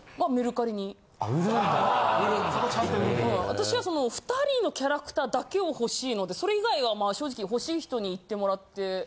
私は２人のキャラクターだけを欲しいのでそれ以外はまあ正直欲しい人にいってもらって。